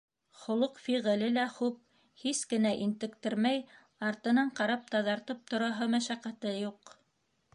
Холоҡ-фиғеле лә хуп: һис кенә интектермәй, артынан ҡарап-таҙартып тораһы мәшәҡәте юҡ.